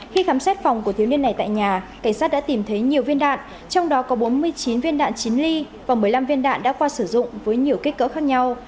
khi khám xét phòng của thiếu niên này tại nhà cảnh sát đã tìm thấy nhiều viên đạn trong đó có bốn mươi chín viên đạn chín ly và một mươi năm viên đạn đã qua sử dụng với nhiều kích cỡ khác nhau